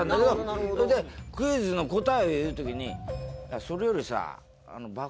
それでクイズの答え言う時に「それよりさ」。